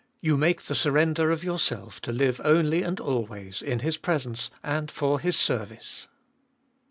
You make the surrender of yourself, to live only and always in His presence and for His service.